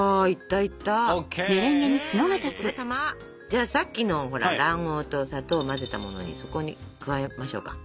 じゃあさっきのほら卵黄と砂糖を混ぜたものにそこに加えましょうか。